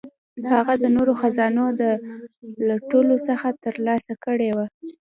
هغه د نورو خزانو د لوټلو څخه ترلاسه کړي وه.